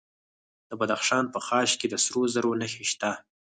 د بدخشان په خاش کې د سرو زرو نښې شته.